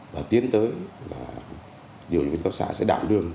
và tiến tới là điều viên quân cấp xã sẽ đảm đương